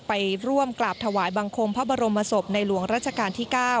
ไปร่วมกราบถวายบังคมพระบรมศพในหลวงราชการที่๙